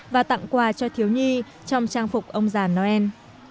và tặng quà cho thiếu nhi trong trang phục ông già noel